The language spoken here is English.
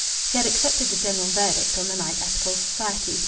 She had accepted the general verdict on the Knype Ethical Society.